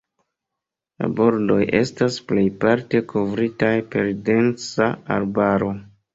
La bordoj estas plejparte kovritaj per densa arbaro.